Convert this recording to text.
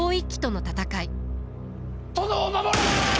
殿を守れ！